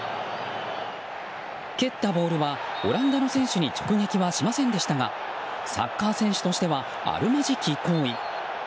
蹴ったボールはオランダの選手に直撃はしませんでしたがサッカー選手としてはあるまじき行為。